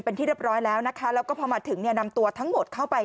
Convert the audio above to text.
เป็นที่เรียบร้อยแล้วนะคะแล้วก็พอมาถึงเนี่ยนำตัวทั้งหมดเข้าไป